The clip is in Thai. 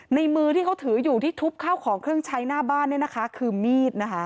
มือที่เขาถืออยู่ที่ทุบข้าวของเครื่องใช้หน้าบ้านเนี่ยนะคะคือมีดนะคะ